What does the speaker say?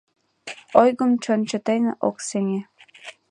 Ойгым чон чытен ок сеҥе